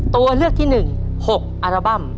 ตัวเลือกที่๑๖อัลบั้ม